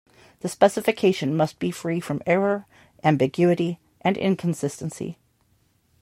The specification must be free from error, ambiguity and inconsistency.